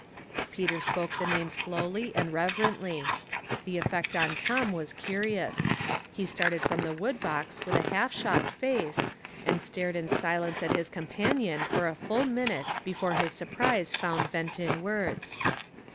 Peter spoke the name slowly and reverently. The effect on Tom was curious. He started from the Avood box with a half shocked face, and stared in silence at his companion for a full minute before his surprise found vent in words.